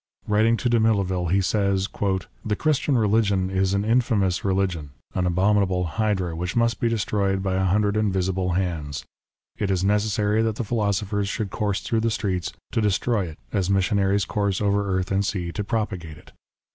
Writing to Damilaville, he says, " The Christian religion is an infamous religion, an abominable hydra which must be destroyed by a hundred invisible hands. It is necessary that the philosophers should course through the streets to destroy it as missionaries course over earth and sea to propagate it.